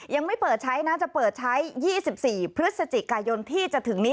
ยังไม่เปิดใช้นะจะเปิดใช้๒๔พฤศจิกายนที่จะถึงนี้